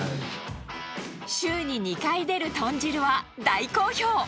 週に２回出る豚汁は大好評。